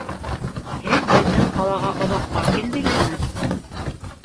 Һеҙ беҙҙең ҡалаға оҙаҡҡа килдегеҙме?